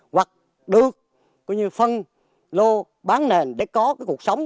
hoặc được coi như phân lô bán nền để có cuộc sống